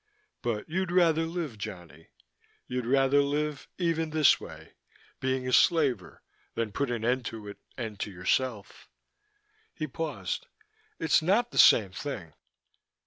"But you'd rather live, Johnny. You'd rather live, even this way, being a slaver, than put an end to it and to yourself." He paused. "It's not the same thing."